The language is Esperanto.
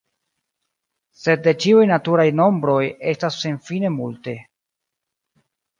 Sed de ĉiuj naturaj nombroj estas senfine multe.